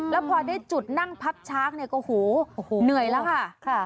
แล้วพอได้จุดนั่งพับช้างก็เหนื่อยแล้วค่ะ